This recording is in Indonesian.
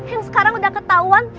yang sekarang udah ketauan